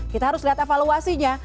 kita harus lihat evaluasinya